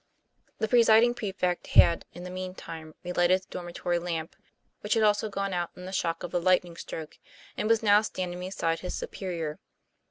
The presiding prefect had, in the mean time, re lighted the dormitory lamp (which had also gone out in the shock of the lightning stroke), and was now standing beside his superior.